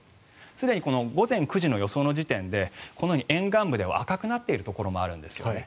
すでに午前９時の予想の時点で沿岸部では赤くなっているところもあるんですよね。